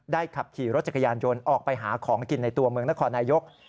ขับขี่รถจักรยานยนต์ออกไปหาของกินในตัวเมืองนครนายก